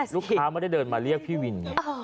ลูกค้าไม่ได้เดินมาเรียกพี่วิน